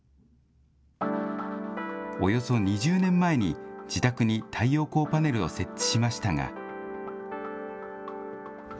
およそ２０年前に、自宅に太陽光パネルを設置しましたが。